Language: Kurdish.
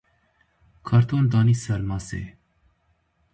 Karton danî ser masê.